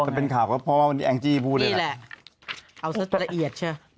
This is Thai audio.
แต่เป็นข่าวก็เพราะว่าวันนี้แองจี้พูดเลยนี่แหละเอาสักละเอียดเชียว